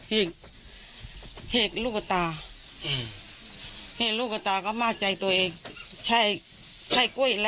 ให้ลูกตาให้ลูกตาก็มาใจตัวเองเช่นใช่กล้วยละ